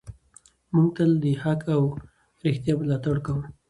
موږ تل د حق او رښتیا ملاتړ کوو.